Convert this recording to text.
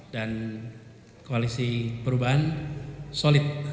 dan koalisi perubahan solid